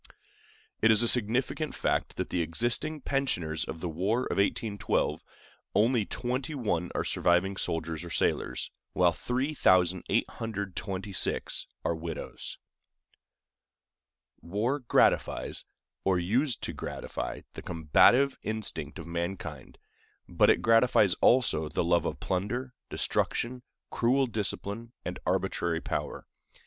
It is a significant fact that of the existing pensioners of the war of 1812 only twenty one are surviving soldiers or sailors, while 3826 are widows. War gratifies, or used to gratify, the combative instinct of mankind, but it gratifies also the love of plunder, destruction, cruel discipline, and arbitrary power.